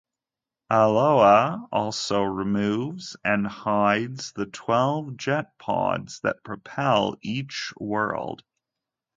Aloha also removes and hides the twelve jet pods that propel each world.